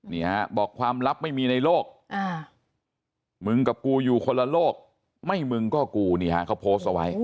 นี่ฮะบอกความลับไม่มีในโลกมึงกับกูอยู่คนละโลกไม่มึงก็กูนี่ฮะเขาโพสต์เอาไว้